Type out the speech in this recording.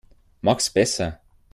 Mach's besser.